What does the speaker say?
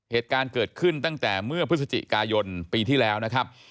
เหตุการณ์เกิดขึ้นตั้งแต่เมื่อพฤศจิกายนปีที่แล้วนะครับ